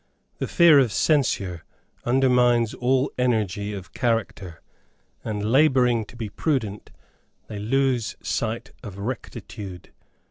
The fear of censure undermines all energy of character; and, labouring to be prudent, they lose sight of rectitude.